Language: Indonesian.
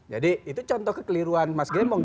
jadi itu contoh kekeliruan mas gembong